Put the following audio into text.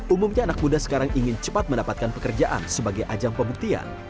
umumnya anak muda sekarang ingin cepat mendapatkan pekerjaan sebagai ajang pembuktian